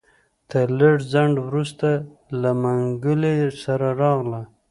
تر لږ ځنډ وروسته له منګلي سره راغله.